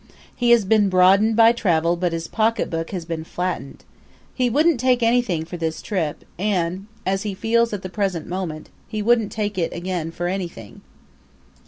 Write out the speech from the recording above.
He has been broadened by travel but his pocketbook has been flattened. He wouldn't take anything for this trip, and as he feels at the present moment he wouldn't take it again for anything.